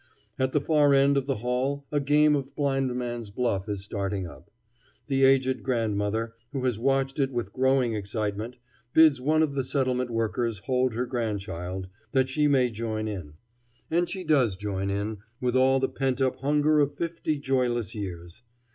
At the far end of the hall a game of blindman's buff is starting up. The aged grandmother, who has watched it with growing excitement, bids one of the settlement workers hold her grandchild, that she may join in; and she does join in, with all the pent up hunger of fifty joyless years.